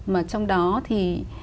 mà trong đó thì